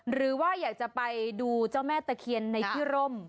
หรือว่าอยากจะไปดูเจ้าแม่ตะเคียนในที่ร่ม